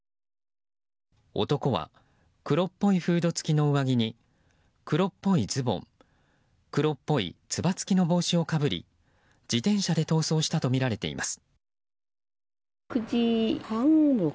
男は黒っぽいフード付きの上着に黒っぽいズボン黒っぽいつばつきの帽子をかぶり自転車で逃走したとみられています。